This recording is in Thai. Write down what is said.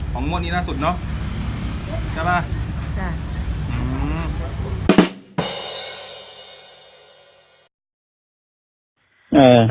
ของมดนี้น่าสุดเนอะใช่ป่ะใช่